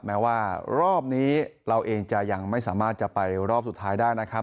แม้ว่ารอบนี้เราเองจะยังไม่สามารถจะไปรอบสุดท้ายได้นะครับ